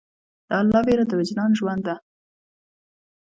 د الله ویره د وجدان ژوند ده.